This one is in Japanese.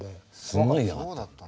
すごい嫌がった。